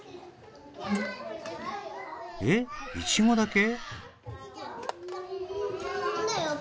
えっイチゴだけ？